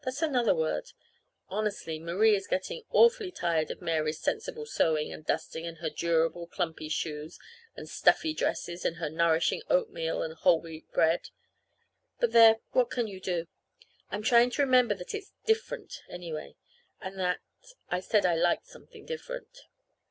That's another word. Honestly, Marie is getting awfully tired of Mary's sensible sewing and dusting, and her durable clumpy shoes and stuffy dresses, and her nourishing oatmeal and whole wheat bread. But there, what can you do? I'm trying to remember that it's different, anyway, and that I said I liked something different.